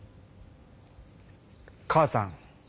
母さん。